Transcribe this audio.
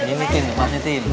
ini tin maaf ya tin